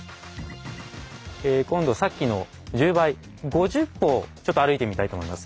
今度さっきの１０倍５０歩をちょっと歩いてみたいと思います。